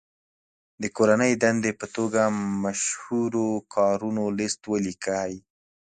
د کورنۍ دندې په توګه مشهورو کارونو لست ولیکئ.